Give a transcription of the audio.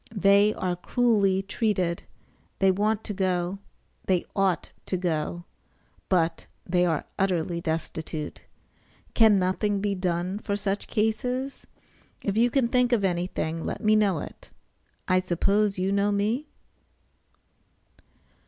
They are cruelly treated; they want to go, they ought to go; but they are utterly destitute. Can nothing be done for such cases? If you can think of anything let me know it. I suppose you know me?